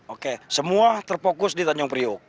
oke semua terfokus di tanjung priuk